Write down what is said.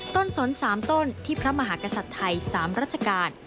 สน๓ต้นที่พระมหากษัตริย์ไทย๓รัชกาล